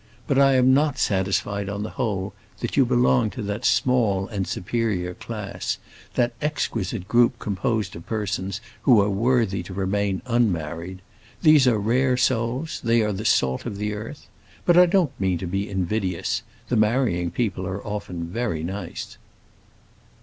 But I am not satisfied, on the whole, that you belong to that small and superior class—that exquisite group composed of persons who are worthy to remain unmarried. These are rare souls; they are the salt of the earth. But I don't mean to be invidious; the marrying people are often very nice."